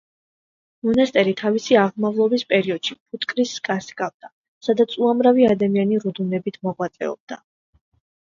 მონასტერი თავისი აღმავლობის პერიოდში ფუტკრის სკას ჰგავდა, სადაც უამრავი ადამიანი რუდუნებით მოღვაწეობდა.